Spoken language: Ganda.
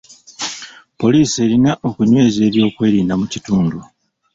Poliisi erina okunyweza ebyokwerinda mu kitundu.